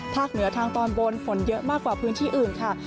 เหนือทางตอนบนฝนเยอะมากกว่าพื้นที่อื่นค่ะ